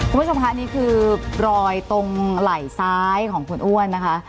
คุณผู้ชมค่ะนี่คือรอยตรงไหล่ซ้ายของคุณอ้วนนะคะ